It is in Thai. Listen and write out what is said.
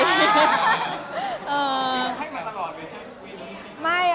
มีค่าให้มาตลอดหรือใช่ปีนี้